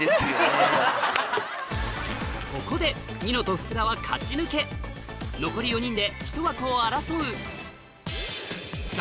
ここでニノと福田は勝ち抜け残り４人で１枠を争う